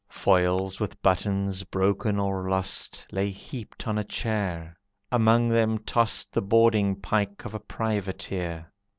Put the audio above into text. Foils with buttons broken or lost Lay heaped on a chair, among them tossed The boarding pike of a privateer.